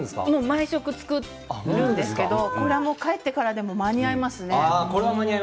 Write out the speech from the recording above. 毎日作りますのでこれは帰ってからでも間に合いますね。